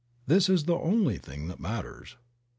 This is the only thing that matters.